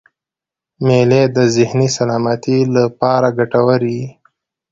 مېلې د ذهني سلامتۍ له پاره ګټوري يي.